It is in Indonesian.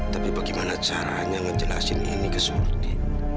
tapi bagaimana caranya ngejelasin ini ke surdi